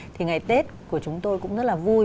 thì ngày tết của chúng tôi cũng rất là vui